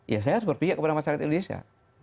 ya saya harus berpihak kepada masyarakat indonesia